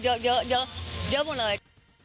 เยอะหมดเลย